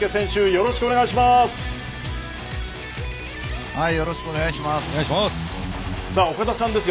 よろしくお願いします。